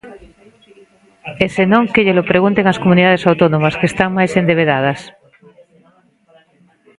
E, se non, que llelo pregunten ás comunidades autónomas que están máis endebedadas.